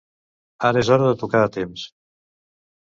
Ara és hora de tocar a temps.